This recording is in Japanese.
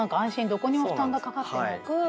どこにも負担がかかってなく。